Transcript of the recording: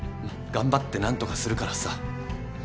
頑張って何とかするからさ。